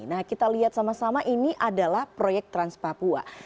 nah kita lihat sama sama ini adalah proyek trans papua